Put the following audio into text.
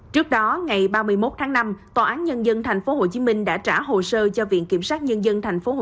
trước đó ngày ba mươi một tháng năm tòa án nhân dân tp hcm đã trả hồ sơ cho viện kiểm sát nhân dân tp hcm